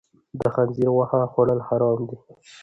د خنزیر غوښه خوړل حرام دي.